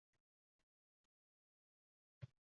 Taomlar yeyildi, sharbatlar ichildi, shirin suhbatlar qurildi